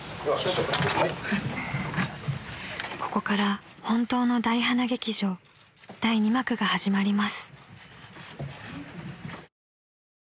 ［ここから本当の大花劇場第二幕が始まります］